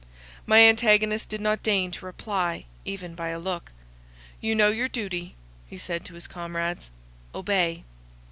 My antagonist did not deign to reply, even by a look;—"You know your duty," he said to his comrades,—"obey."